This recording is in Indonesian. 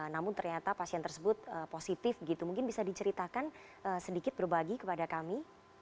namun ternyata pasien tersebut positif gitu mungkin bisa diceritakan sedikit berbagi kepada kami